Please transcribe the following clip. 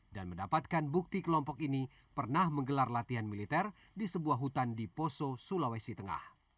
dan mendapatkan bukti kelompok ini pernah menggelar latihan militer di sebuah hutan di poso sulawesi tengah